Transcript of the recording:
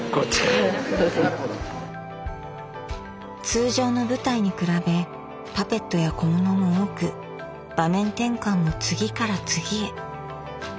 通常の舞台に比べパペットや小物も多く場面転換も次から次へ。